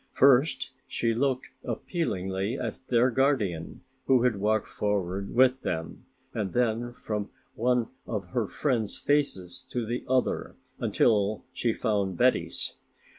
First she looked appealingly at their guardian, who had walked forward with them, and then from one of her friends' faces to the other until she found Betty's.